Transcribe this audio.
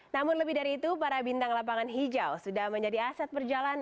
namun lebih dari itu para bintang lapangan hijau sudah menjadi aset perjalanan